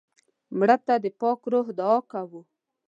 مړه ته د پاک روح دعا کوو